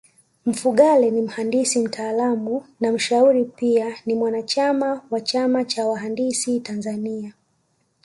Mfugale ni mhandisi mtaalamu na mshauri Pia ni mwanachama wa chama cha wahandisi Tanzania